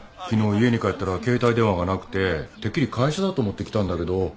昨日家に帰ったら携帯電話がなくててっきり会社だと思って来たんだけど。